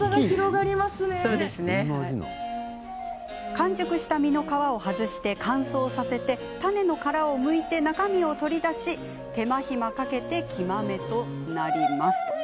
完熟した実の皮を外して乾燥させ種の殻をむいて中身を取り出し手間暇かけて生豆となります。